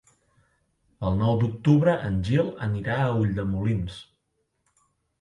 El nou d'octubre en Gil anirà a Ulldemolins.